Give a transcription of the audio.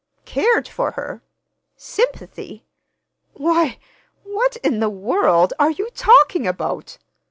"Cared for her! Sympathy! Why, what in the world are you talking about?